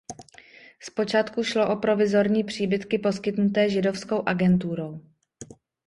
Zpočátku šlo o provizorní příbytky poskytnuté Židovskou agenturou.